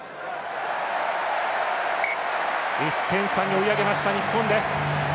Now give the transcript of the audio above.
１点差に追い上げました日本です。